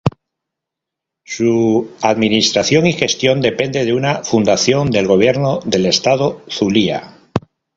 Su administración y gestión depende de una Fundación del gobierno del Estado Zulia.